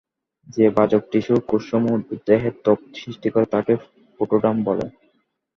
যে ভাজক টিস্যুর কোষসমূহ উদ্ভিদ দেহের ত্বক সৃষ্টি করে, তাকে প্রোটোডার্ম বলে।